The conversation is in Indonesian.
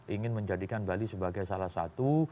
ingin menjadikan bali sebagai salah satu